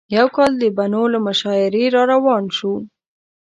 یو کال د بنو له مشاعرې راروان شوو.